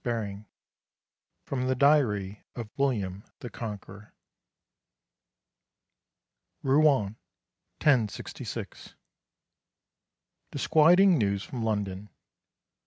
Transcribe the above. XIII FROM THE DIARY OF WILLIAM THE CONQUEROR Rouen, 1066. Disquieting news from London.